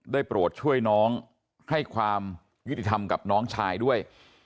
โปรดช่วยน้องให้ความยุติธรรมกับน้องชายด้วย